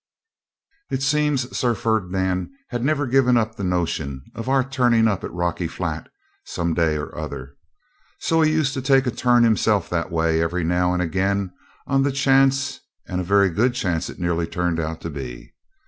It seems Sir Ferdinand had never given up the notion of our turning up at Rocky Flat some day or other; so he used to take a turn himself that way every now and again on the chance, and a very good chance it nearly turned out to be.